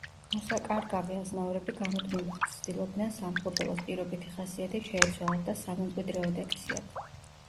მოსაკარგავე აზნაურები გამუდმებით ცდილობდნენ სამფლობელოს პირობითი ხასიათი შეეცვალათ და სამემკვიდრეოდ ექციათ.